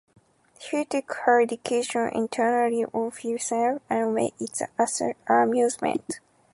He took her education entirely on himself, and made it an amusement.